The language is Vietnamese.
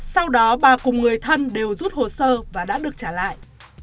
sau đó bà cùng người thân đều rút hồ sơ và đã được trả lại